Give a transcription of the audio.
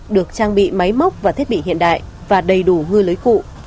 được trang bị máy móc và thiết bị hiện đại và đầy đủ ngư lưới cụ